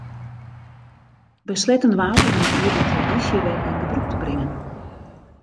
Besletten waard om dit jier de tradysje wer yn gebrûk te bringen.